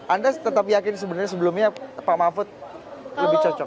anda tetap yakin sebenarnya sebelumnya pak mahfud lebih cocok